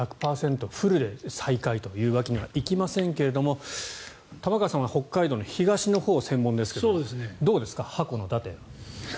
フルで再開というわけにはいきませんが玉川さんは北海道の東のほう専門ですがどうですか、函館。